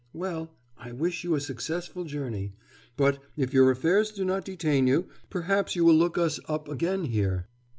Well, I wish you a successful journey. But, if your affairs do not detain you, perhaps you will look us up again here.